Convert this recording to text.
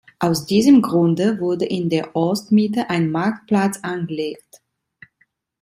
Aus diesem Grunde wurde in der Ortsmitte ein Marktplatz angelegt.